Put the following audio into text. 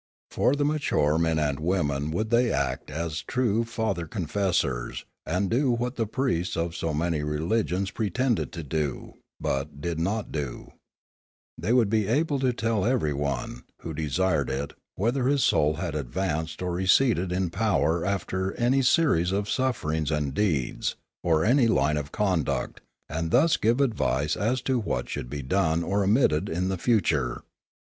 For the mature men and women would they act as true father confessors,, and do what the priests of so many religions pretended to do, but did not do; they would be able to tell everyone, who desired it, whether his soul had advanced or receded in power after any series of sufferings and deeds, or any line of conduct, and thus to give advice as to what should be done or omitted in the future.